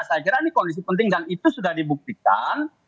saya kira ini kondisi penting dan itu sudah dibuktikan